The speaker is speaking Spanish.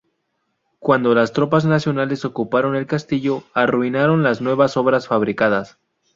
Cuando las tropas nacionales ocuparon el castillo, arruinaron las nuevas obras fabricadas.